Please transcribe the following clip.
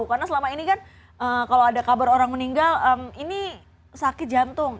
karena selama ini kan kalau ada kabar orang meninggal ini sakit jantung